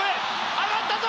上がったぞ！